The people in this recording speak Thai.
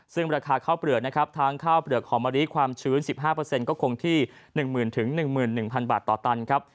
ซึ่งราคาข้าวเปลือกนะครับทางข้าวเปลือกหอมะลิความชื้นสิบห้าเปอร์เซ็นต์ก็คงที่หนึ่งหมื่นถึงหนึ่งหมื่นหนึ่งพันบาทต่อตันครับ